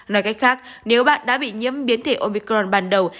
nói cách khác nếu bạn đã bị nhiễm biến thể omicron ban đầu